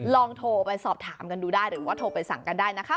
ลองโทรไปสอบถามกันดูได้หรือว่าโทรไปสั่งกันได้นะคะ